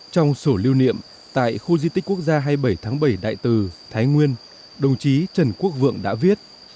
trong sổ lưu niệm tại khu di tích quốc gia hai mươi bảy tháng bảy đại tử thái nguyên đồng chí trần quốc vượng đã viết